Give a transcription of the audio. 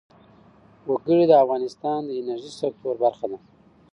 وګړي د افغانستان د انرژۍ سکتور برخه ده.